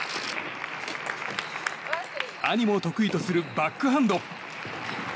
兄も得意とするバックハンド！